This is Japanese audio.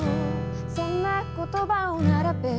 「そんな言葉を並べ」